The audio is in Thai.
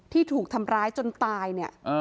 ที่ถูกทำร้ายจนตายเนี่ย